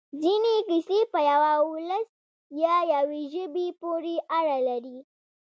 ځینې کیسې په یوه ولس یا یوې ژبې پورې اړه لري.